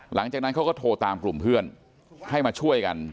หลังจากนั้นเขาก็โทรตามกลุ่มเพื่อนให้มาช่วยกัน